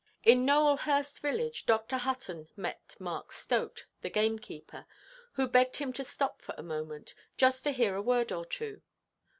In Nowelhurst village Dr. Hutton met Mark Stote, the gamekeeper, who begged him to stop for a moment, just to hear a word or two.